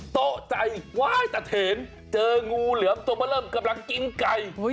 โต๊ะใจว้ายตะเถนเจองูเหลือมตัวมาเริ่มกำลังกินไก่